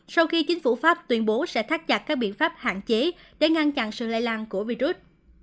sau khi chính phủ pháp tuyên bố sẽ thắt chặt các biện pháp hạn chế để ngăn chặn sự lây lan của virus